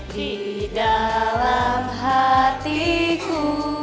di dalam hatiku